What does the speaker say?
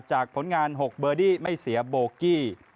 ผลงาน๖เบอร์ดี้ไม่เสียโบกี้